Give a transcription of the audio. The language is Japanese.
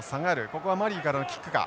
ここはマリーからのキックか。